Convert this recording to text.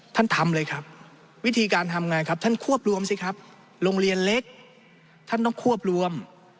ท่านทำเลยครับวิธีการทำไงครับท่านควบรวมสิครับโรงเรียนเล็กท่านต้องควบรวม